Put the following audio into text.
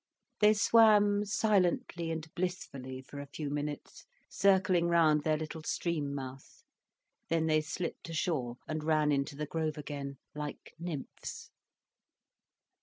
They swam silently and blissfully for a few minutes, circling round their little stream mouth. Then they slipped ashore and ran into the grove again, like nymphs.